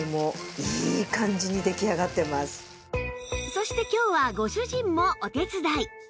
そして今日はご主人もお手伝い